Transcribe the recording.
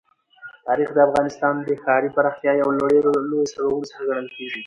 تاریخ د افغانستان د ښاري پراختیا یو له ډېرو لویو سببونو څخه کېږي.